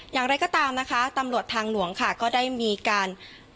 อย่างไรก็ตามนะคะตำรวจทางหลวงค่ะก็ได้มีการ